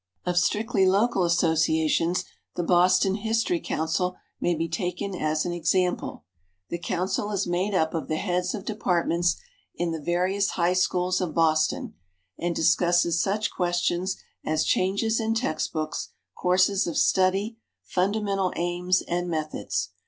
Of strictly local associations the Boston History Council may be taken as an example. This Council is made up of the heads of departments in the various high schools of Boston, and discusses such questions as changes in text books, courses of study, fundamental aims and methods.